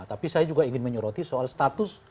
tapi saya juga ingin menyoroti soal status